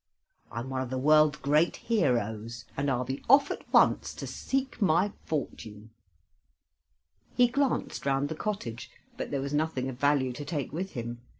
I'm one of the world's great heroes, and I'll be off at once to seek my fortune." He glanced round the cottage, but there was nothing of value to take with him.